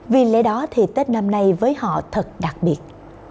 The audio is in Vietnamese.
vì lẽ đó thì tết năm nay với họ thật đặc biệt